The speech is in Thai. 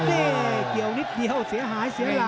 นี่เกี่ยวนิดเดียวเสียหายเสียหลัก